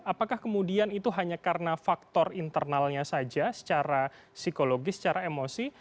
apakah kemudian itu hanya karena faktor internalnya saja secara psikologis secara emosi